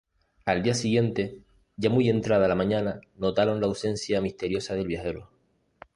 Al día siguiente, ya muy entrada la mañana, notaron la ausencia misteriosa del viajero.